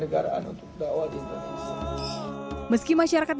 masyarakat indonesia tidak menerima kebenaran